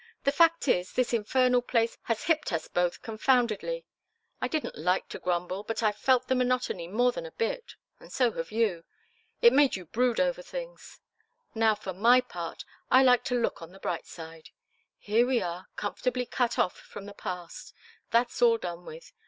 The fact is, this infernal place has hipped us both confoundedly. I didn't like to grumble, but I've felt the monotony more than a bit. And so have you. It's made you brood over things. Now, for my part, I like to look at the bright side. Here we are comfortably cut off from the past. That's all done with.